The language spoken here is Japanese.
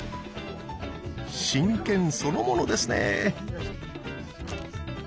真剣そのものですね。